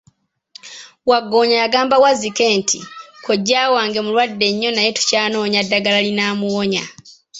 Waggoonya yagamba Wazzike nti, Kojja wange mulwadde nnyo naye tukyanoonya ddagala erinamuwonya.